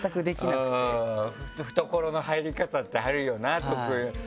懐の入り方ってあるよな得意。